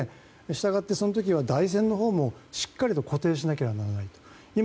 従って、その時は台船のほうも、しっかり固定しなければならない。